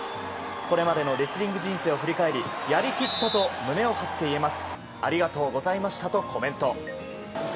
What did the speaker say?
これまでのレスリング人生を振り返ってやり切ったと胸を張って言えます。